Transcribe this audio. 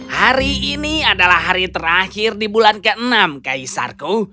hari ini adalah hari terakhir di bulan keenam kaisarku